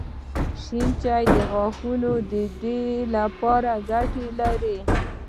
شېن چای د غاښونو دپاره ګټه لري